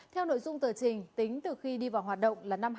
theo nội dung tờ trình tính từ khi đi vào hoạt động là năm hai nghìn một mươi